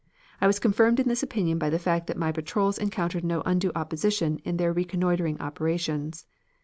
I was confirmed in this opinion by the fact that my patrols encountered no undue opposition in their reconnoitering operations.